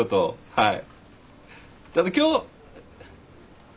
はい。